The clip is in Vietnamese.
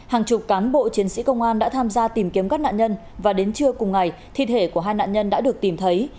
hàng chục cán bộ chiến sĩ công an đã tham gia tìm kiếm các nạn nhân và đến trưa cùng ngày thi thể của hai nạn nhân đã được tìm thấy